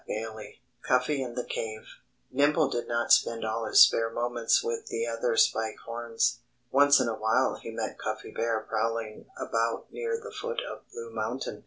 XI CUFFY AND THE CAVE Nimble did not spend all his spare moments with the other Spike Horns. Once in a while he met Cuffy Bear prowling about near the foot of Blue Mountain.